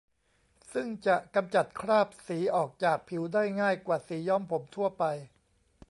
ซึ่งจะกำจัดคราบสีออกจากผิวได้ง่ายกว่าสีย้อมผมทั่วไป